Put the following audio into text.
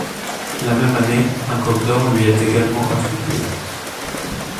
La même année, un Coq d'or lui est également attribué.